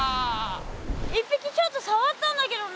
１ぴきちょっとさわったんだけどな。